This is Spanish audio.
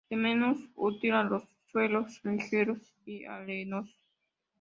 Es menos útil a los suelos ligeros y arenosos.